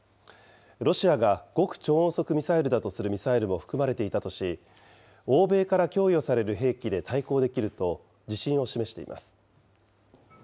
ロシアが極超音速ミサイルだとするミサイルも含まれていたとし、欧米から供与される兵器で対抗できると、自信を示しています。